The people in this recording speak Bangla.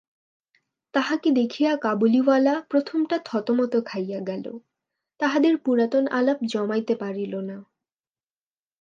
তাহাকে দেখিয়া কাবুলিওয়ালা প্রথমটা থতমত খাইয়া গেল, তাহাদের পুরাতন আলাপ জমাইতে পারিল না।